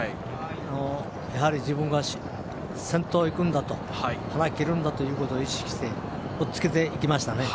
やはり自分が先頭を行くんだとハナを切るんだということを意識しておっつけていきましたね。